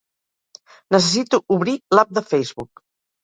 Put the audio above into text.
Necessito obrir l'app de Facebook.